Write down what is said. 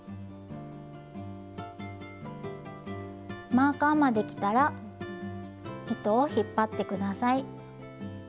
マーカーまできたら糸を引っ張って下さい。